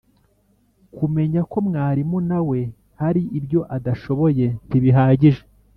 kumenya ko mwarimu na we hari ibyo adashoboye ntibihagije